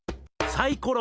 サイコロ。